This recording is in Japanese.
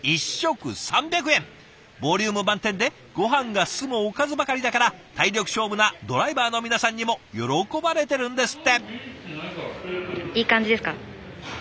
ボリューム満点でごはんが進むおかずばかりだから体力勝負なドライバーの皆さんにも喜ばれてるんですって。